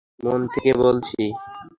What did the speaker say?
মন থেকে বলছি!